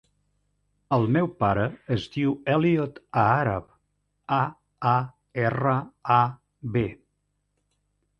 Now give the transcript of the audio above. El meu pare es diu Elliot Aarab: a, a, erra, a, be.